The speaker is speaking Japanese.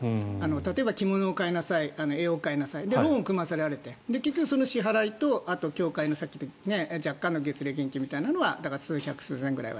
例えば、着物を買いなさい絵を買いなさいローンを組まされてその支払いとあと教会のさっき言った若干の月例金みたいなものは数百、数千ぐらい。